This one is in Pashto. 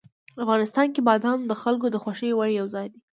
افغانستان کې بادام د خلکو د خوښې وړ یو ځای دی.